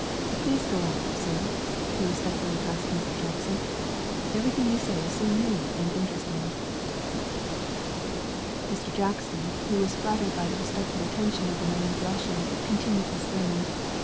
Please, go on, sir," he respectfully addressed Mr. Jackson. "Everything you say is so new and interesting...." Mr. Jackson, who was flattered by the respectful attention of the naïve Russian, continued his sermon.